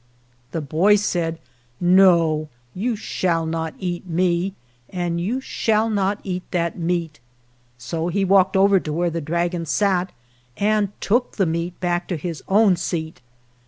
The boy said, " No, you shall not eat me, and you shall not eat that meat." So he walked over to where the dragon sat and took the meat back to his own seat.